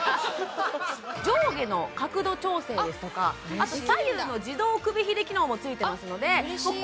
上下の角度調整ですとかあと左右の自動首振り機能も付いていますので嬉しい